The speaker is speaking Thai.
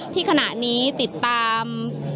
ที่ขณะนี้ติดตาม